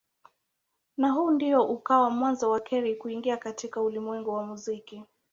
Na huu ndio ukawa mwanzo wa Carey kuingia katika ulimwengu wa muziki.